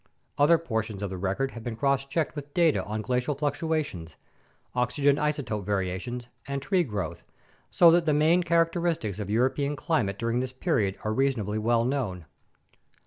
Other portions of the record have been cross checked with data on glacial fluctuations, oxygen isotope variations, and tree growth, so that the main characteristics of European climate during this period are reasonably well known.